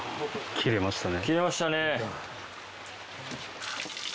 切れましたね。